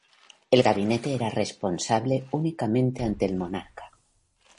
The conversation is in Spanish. El gabinete era responsable únicamente ante el monarca.